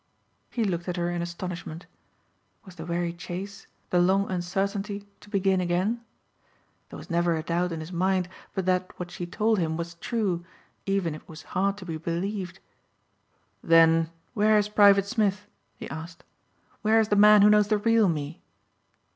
He looked at her in astonishment. Was the weary chase, the long uncertainty to begin again? There was never a doubt in his mind but that what she told him was true even if it was hard to be believed. "Then where is Private Smith?" he asked. "Where is the man who knows the real me?"